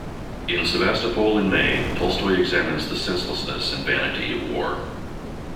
In "Sevastopol in May," Tolstoy examines the senselessness and vanity of war.